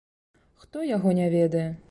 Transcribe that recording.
Хто яго не ведае.